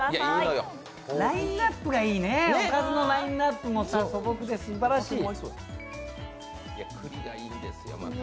ラインナップがいいね、おかずのラインナップも素朴ですばらしい。